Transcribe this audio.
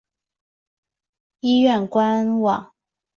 医院官网